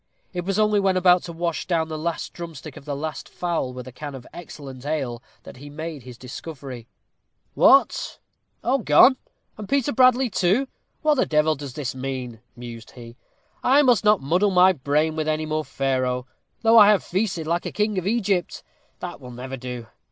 It was only when about to wash down the last drumstick of the last fowl with a can of excellent ale that he made this discovery. "What! all gone? And Peter Bradley, too? What the devil does this mean?" mused he. "I must not muddle my brain with any more Pharaoh, though I have feasted like a king of Egypt. That will never do.